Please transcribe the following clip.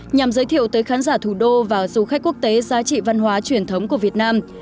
nhằm giới thiệu tới khán giả thủ đô và du khách quốc tế giá trị văn hóa truyền thống của việt nam